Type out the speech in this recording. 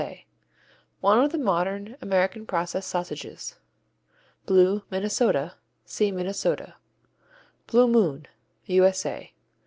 A._ One of the modern American process sausages. Blue, Minnesota see Minnesota. Blue Moon _U.S.A.